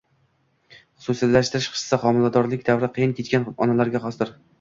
Xususiylashtirish hissi xomiladorlik davri qiyin kechgan onalarga xosdir.